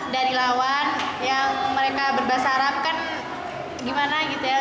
dari lawan yang mereka berbahasa arab kan gimana gitu ya